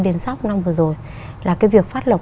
điền sóc năm vừa rồi là cái việc phát lập